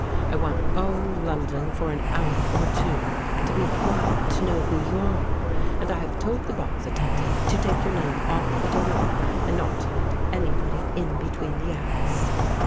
I want all London for an hour or two to be wild to know who you are, and I have told the box attendant to take your name off the door, and not to let anybody in between the acts.